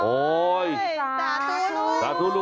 โอ้ยสาธุรุ